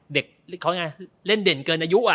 เด็กเล่นเด่นเกินอายุอะ